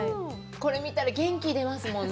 これ見たら元気出ますもんね。